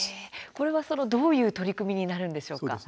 これはどういう取り組みになるんでしょうか。